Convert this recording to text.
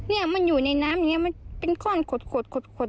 เนี่ยมันอยู่ในน้ำเนี่ยมันเป็นก้อนโขด